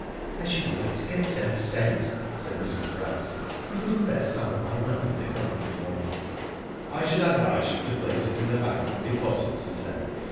I should like to get ten per cent," said Mrs. Bryce. *^ You could invest some of my money in the company for me." "I should advise you to place it in the bank on deposit," he said.